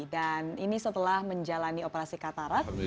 dan ini setelah menjalani operasi katarak